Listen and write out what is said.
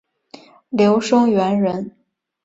刘声元人。